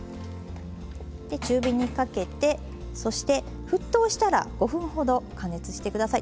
中火にかけてそして沸騰したら５分ほど加熱して下さい。